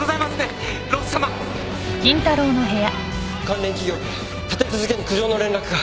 関連企業から立て続けに苦情の連絡が。